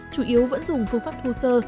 chủ yếu vẫn dùng phương pháp thu sơ